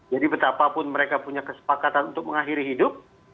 jadi betapapun mereka punya kesepakatan untuk mengakhiri hidup